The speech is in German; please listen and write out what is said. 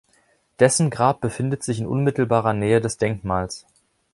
Dessen Grab befindet sich in unmittelbarer Nähe des Denkmals.